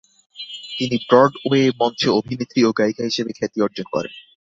তিনি ব্রডওয়ে মঞ্চে অভিনেত্রী ও গায়িকা হিসেবে খ্যাতি অর্জন করেন।